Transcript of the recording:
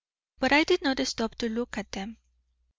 But I did not stop to look at them.